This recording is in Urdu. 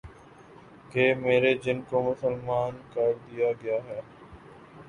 کہ میرے جن کو مسلمان کر دیا گیا ہے